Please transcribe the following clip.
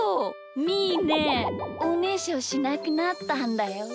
みーねおねしょしなくなったんだよ！